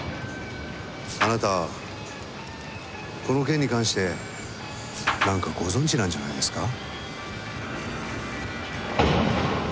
あなたはこの件に関して何かご存じなんじゃないですか？